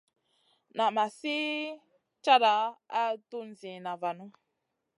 Nan ma sli cata a tun ziyna vanu.